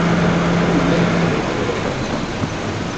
Melmi i d-yuɣal baba-m s axxam?